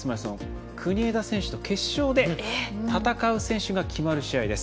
国枝選手と決勝で戦う選手が決まる試合です。